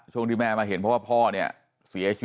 ช่วงที่แม่มาเห็นเพราะว่าพ่อเนี่ย